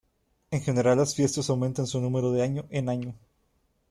En general las fiestas aumentan su número de año en año.